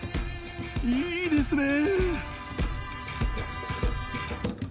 いいですね。